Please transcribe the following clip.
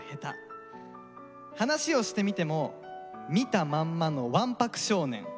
話をしてみても見たまんまのわんぱく少年。